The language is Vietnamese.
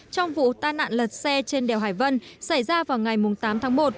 trong vụ tai nạn lật xe trên đèo hải vân xảy ra vào ngày tám tháng một